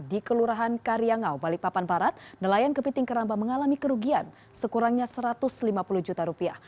di kelurahan karyangau balikpapan barat nelayan kepiting keramba mengalami kerugian sekurangnya satu ratus lima puluh juta rupiah